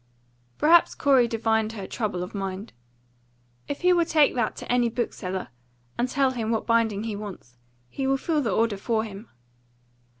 Perhaps Corey divined her trouble of mind. "If he will take that to any bookseller, and tell him what bindings he wants, he will fill the order for him."